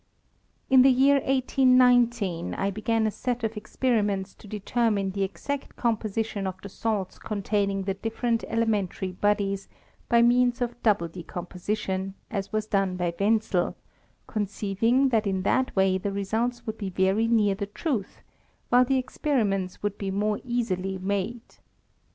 In the year 1819 1 began a set of experiments to deter mine the exact composition of the salts containing the different elementary bodies by means of double decomposition, as was done by Wenzel, conceiving that in that way the results would be very near the truth, while the experiments would be more easily OF THE ATOMIC THEORY. 307 made.